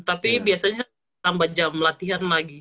tapi biasanya tambah jam latihan lagi